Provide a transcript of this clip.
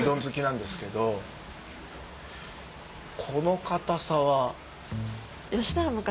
この硬さは。